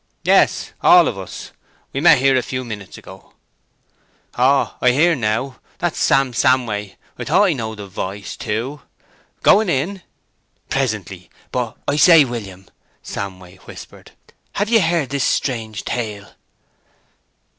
"Yes—all o' us. We met here a few minutes ago." "Oh, I hear now—that's Sam Samway: thought I knowed the voice, too. Going in?" "Presently. But I say, William," Samway whispered, "have ye heard this strange tale?"